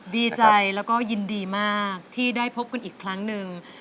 ดีใจแล้วก็ยินดีมากที่ได้พบกันอีกครั้งหนึ่ง